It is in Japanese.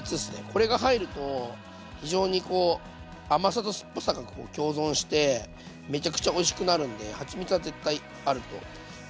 これが入ると非常にこう甘さと酸っぱさが共存してめちゃくちゃおいしくなるんではちみつは絶対あるとうれしいです。